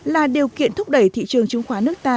là điều kiện thúc đẩy thị trường chứng khoán nước ta